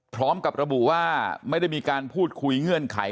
พร้อมกับระบุว่าไม่ได้มีการพูดคุยเงื่อนไข